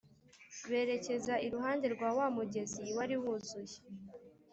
berekeza iruhande rwa wa mugezi wari wuzuye.